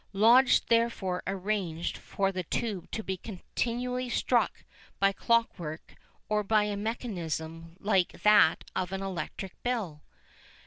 Lodge therefore arranged for the tube to be continually struck by clockwork or by a mechanism like that of an electric bell.